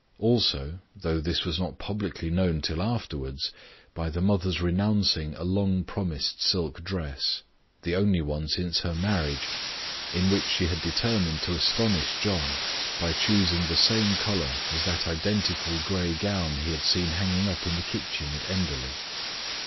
Also, though this was not publicly known till afterwards, by the mother's renouncing a long promised silk dress the only one since her marriage, in which she had determined to astonish John by choosing the same colour as that identical grey gown he had seen hanging up in the kitchen at Enderley.